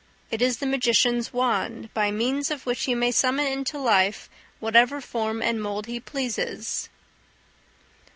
It is the magician's wand, by means of which he may summon into life whatever form and mould he pleases."